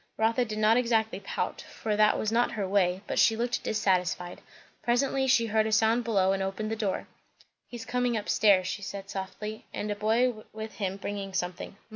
Rotha did not exactly pout, for that was not her way; but she looked dissatisfied. Presently she heard a sound below, and opened the door. "He's coming up stairs," she said softly, "and a boy with him bringing something.